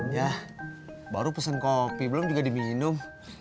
ya baru pesen kopi belum juga diminum